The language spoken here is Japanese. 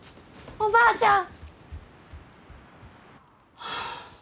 ・おばあちゃん！